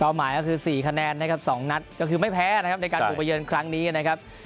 หมายก็คือ๔คะแนนนะครับ๒นัดก็คือไม่แพ้นะครับในการบุกไปเยือนครั้งนี้นะครับ